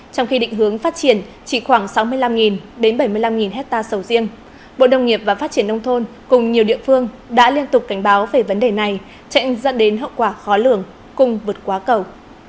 trong khi định hướng phát triển chỉ khoảng sáu mươi năm đến bảy mươi năm hectare sầu riêng bộ nông nghiệp và phát triển nông thôn cùng nhiều địa phương đã liên tục cảnh báo về vấn đề này sẽ dẫn đến hậu quả khó lường cùng vượt quá cầu